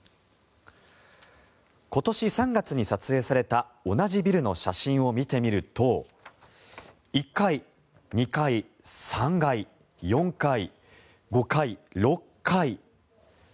今年３月に撮影された同じビルの写真を見てみると１階、２階、３階、４階５階、６階。